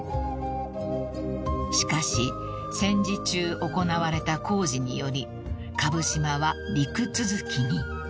［しかし戦時中行われた工事により蕪島は陸続きに］